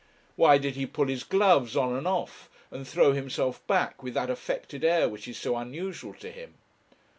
Why did he pull his gloves on and off, and throw himself back with that affected air which is so unusual to him?